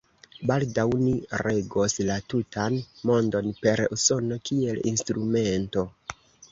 Baldaŭ ni regos la tutan Mondon per Usono kiel instrumento.